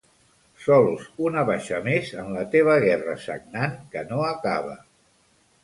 Sols una baixa més en la teva guerra sagnant que no acaba.